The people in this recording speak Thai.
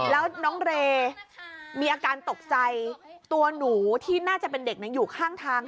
แล้วน้องเรย์มีอาการตกใจตัวหนูที่น่าจะเป็นเด็กอยู่ข้างทาง